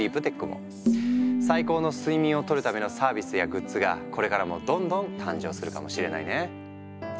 最高の睡眠をとるためのサービスやグッズがこれからもどんどん誕生するかもしれないね。